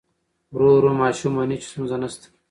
ورو ورو ماشوم مني چې ستونزه نشته.